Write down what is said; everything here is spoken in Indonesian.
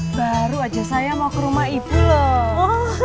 baru aja saya mau ke rumah ibu loh